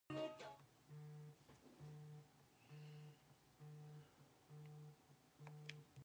He was a barnstormer, and raced midget and Championship cars.